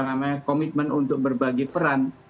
namanya komitmen untuk berbagi peran